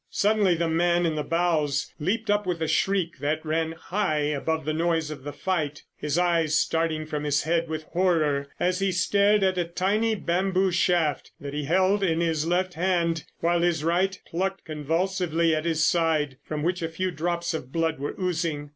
Suddenly the man in the bows leaped up with a shriek that ran high above the noise of the fight, his eyes starting from his head with horror, as he stared at a tiny bamboo shaft that he held in his left hand, while his right plucked convulsively at his side, from which a few drops of blood were oozing.